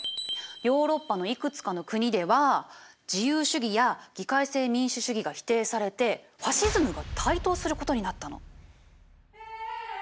ヨーロッパのいくつかの国では自由主義や議会制民主主義が否定されてファシズムが台頭することになったの。